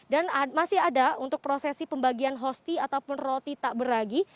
dan masih ada untuk prosesi pembagian hosti ataupun roti tak beragi